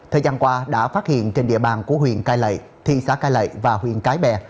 thời gian qua đã phát hiện trên địa bàn của huyện cai lệ thị xã cai lậy và huyện cái bè